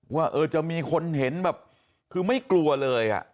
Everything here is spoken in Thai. ว่าจะมีคนเห็นแบบคือไม่กลัวเลย